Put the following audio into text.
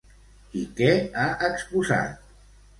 I què ha exposat?